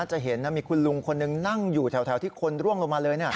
จะเห็นมีคุณลุงคนหนึ่งนั่งอยู่แถวที่คนร่วงลงมาเลย